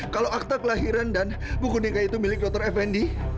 kalau akta kelahiran dan buku nikah itu milik dr effendi